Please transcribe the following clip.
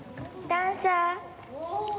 ダンサー？